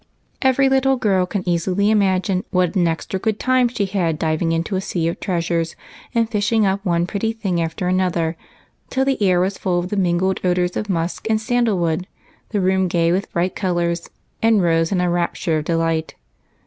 Every little girl can easily imagine what an extra good time she had diving into a sea of treasures and fishing up one pretty thing after another, till the air was full of the mingled odors of musk and sandal wood, the room gay with bright colors, and Rose in a rapture of delight.